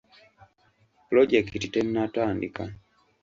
Pulojekiti tennatandika.